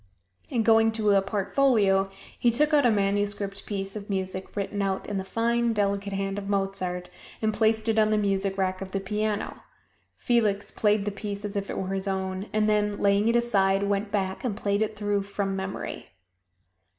And going to a portfolio he took out a manuscript piece of music written out in the fine, delicate hand of Mozart, and placed it on the music rack of the piano. Felix played the piece as if it were his own; and then laying it aside, went back and played it through from memory.